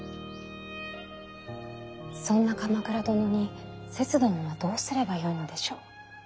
そんな鎌倉殿にせつ殿はどうすればよいのでしょう。